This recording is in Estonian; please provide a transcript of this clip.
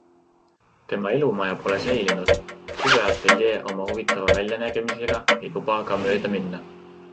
Tema elumaja pole säilinud, suveateljee oma huvitava väljanägemisega ei luba aga mööda minna.